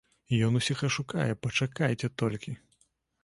Ён усіх ашукае, пачакайце толькі!